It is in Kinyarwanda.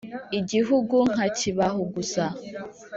Igihugu nkakibahuguza?